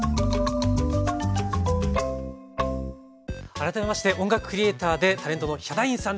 改めまして音楽クリエーターでタレントのヒャダインさんです。